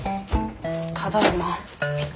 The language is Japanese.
ただいま。